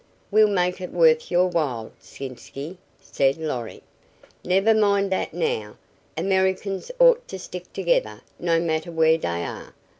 "We'll make it worth your while, Sitzky," said Lorry. "Never mind dat, now. Americans ought to stick together, no matter where dey are.